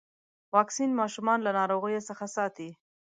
واکسین ماشومان له ناروغيو څخه ساتي.